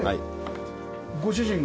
ご主人が？